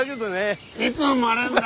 いつ生まれんだ！